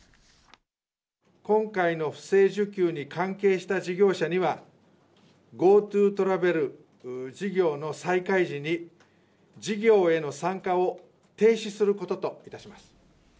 今回の不正受給に関係した事業者には、ＧｏＴｏトラベル事業の再開時に、事業への参加を停止することといたします。